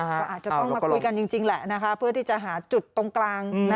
ก็อาจจะต้องมาคุยกันจริงแหละนะคะเพื่อที่จะหาจุดตรงกลาง